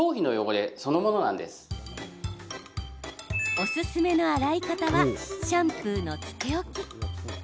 おすすめの洗い方はシャンプーのつけ置き。